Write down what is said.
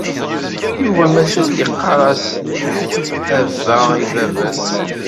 Yuba mazal yeɣɣar-as a bba i baba-s.